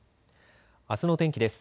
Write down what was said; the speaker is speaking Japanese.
あすの天気です。